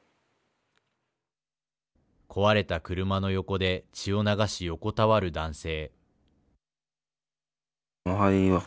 壊れた車の横で血を流し、横たわる男性。